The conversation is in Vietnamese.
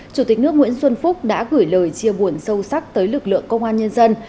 chủ tịch nước nguyễn xuân phúc đã gửi lời chia buồn sâu sắc tới lực lượng công an nhân dân